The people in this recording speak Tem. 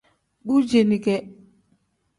Bu ceeni kee.